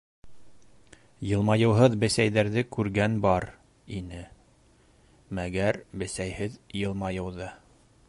—Йылмайыуһыҙ бесәйҙәрҙе күргән бар ине, мәгәр бесәйһеҙ йылмайыуҙы!